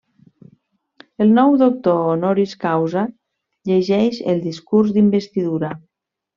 El nou doctor honoris causa llegeix el discurs d'investidura.